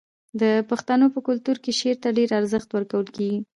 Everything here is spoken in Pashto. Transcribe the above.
د پښتنو په کلتور کې شعر ته ډیر ارزښت ورکول کیږي.